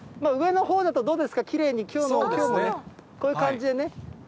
上のほうだと、どうですか、きれいにきょうも、こういう感じでね。